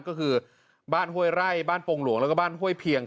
ก็คือบ้านห้วยไร่บ้านโปรงหลวงแล้วก็บ้านห้วยเพียง